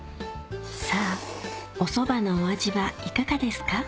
さぁお蕎麦のお味はいかがですか？